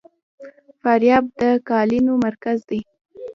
فاریاب د قالینو مرکز دی